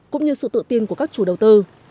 cũng như sự tự tin của các chủ đầu tư